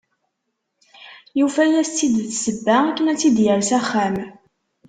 Yufa-as-tt-id d ssebba akken ad tt-id-yerr s axxam.